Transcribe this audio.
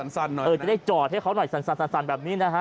สันหน่อยจะได้จอดให้เขาหน่อยสันแบบนี้นะฮะ